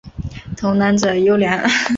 童男者尤良。